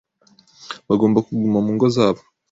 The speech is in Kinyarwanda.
bagomba kuguma mu ngo zabo